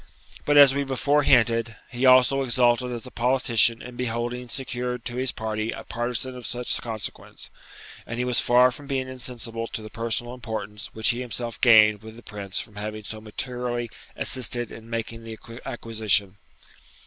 But, as we before hinted, he also exulted as a politician in beholding secured to his party a partizan of such consequence; and he was far from being insensible to the personal importance which he himself gained with the Prince from having so materially assisted in making the acquisition.